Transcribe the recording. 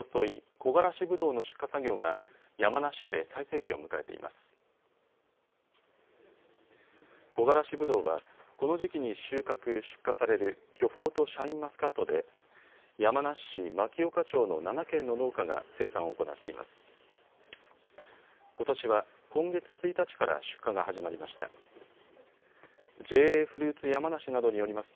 こがらしぶどうはこの時期に収穫、出荷される巨峰とシャインマスカットで山梨市牧丘町の７軒の農家が生産を行っています。